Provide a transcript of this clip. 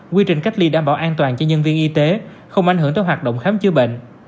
quy trình cách ly đảm bảo an toàn cho nhân viên y tế không ảnh hưởng tới hoạt động khám chữa bệnh